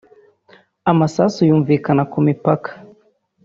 amasasu yumvikana ku mipaka